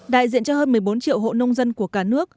đại diện cho hơn một mươi bốn triệu hộ nông dân của cả nước